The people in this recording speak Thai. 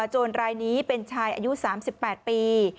โจรรายนี้เป็นชายอายุ๓๘ปี